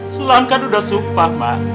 sulam kan udah sumpah mah